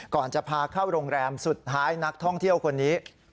ก่อนจะพาเข้าโรงแรมสุดท้ายนักท่องเที่ยวคนนี้